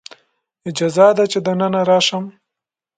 اجازه ده چې دننه راشم؟